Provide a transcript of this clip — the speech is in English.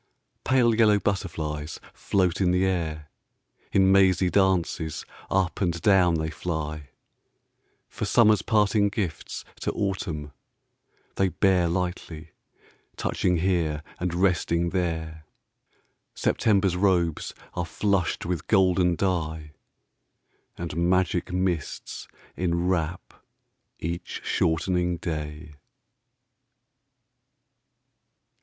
Pale yellow butterflies float in the air, In mazy dances up and down they fly, For Summer's parting gifts to Autumn theyBear lightly, touching here and resting there—September's robes are flushed with golden dye, And magic mists enwrap each shortening day.